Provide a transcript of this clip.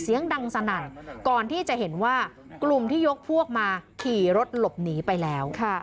เสียงดังสนั่นก่อนที่จะเห็นว่ากลุ่มที่ยกพวกมาขี่รถหลบหนีไปแล้ว